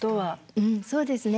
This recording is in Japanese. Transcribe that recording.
うんそうですね。